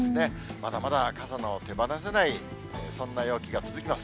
まだまだ傘の手放せない、そんな陽気が続きます。